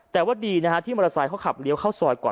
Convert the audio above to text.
แต่ว่าดีนะฮะที่มอเตอร์ไซค์ขับเลี้ยวเข้าซอยก่อน